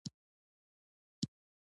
• واوره د ژمي خوږ یاد دی.